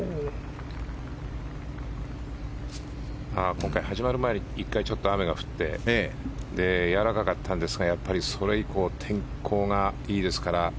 今回、始まる前に１回雨が降ってやわらかかったんですがやっぱり、それ以降天候がいいですから。